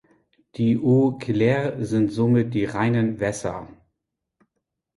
Die "eaux claires" sind somit die "reinen Wässer".